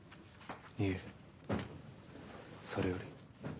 いえそれより。